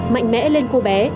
mạnh mẽ lên cô bé